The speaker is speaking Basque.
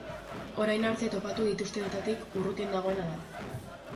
Orain arte topatu dituztenetatik urrutien dagoena da.